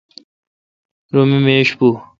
رو می میش پو۔